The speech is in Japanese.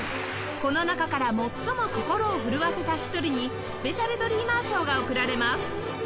この中から最も心を震わせた１人にスペシャル・ドリーマー賞が贈られます